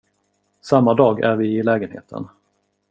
Samma dag är vi i lägenheten.